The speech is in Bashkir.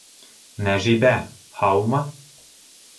Нәжибә, һаумы.